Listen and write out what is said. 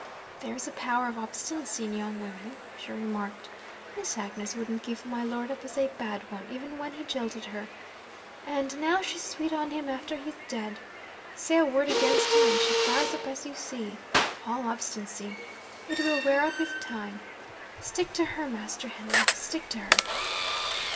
'There's a power of obstinacy in young women,' she remarked. 'Miss Agnes wouldn't give my lord up as a bad one, even when he jilted her. And now she's sweet on him after he's dead. Say a word against him, and she fires up as you see. All obstinacy! It will wear out with time. Stick to her, Master Henry stick to her!'